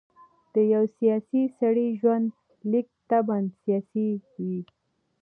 د یوه سیاسي سړي ژوندلیک طبعاً سیاسي وي.